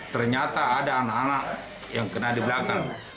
ternyata ada anak anak yang kena di belakang